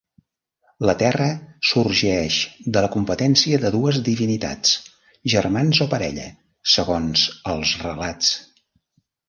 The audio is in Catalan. La Terra sorgeix de la competència de dues divinitats, germans o parella, segons els relats.